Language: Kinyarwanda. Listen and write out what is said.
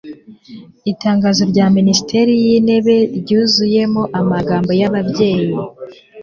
itangazo rya minisitiri w'intebe ryuzuyemo amagambo y'ababyeyi